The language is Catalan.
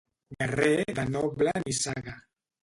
Guerrer de noble nissaga.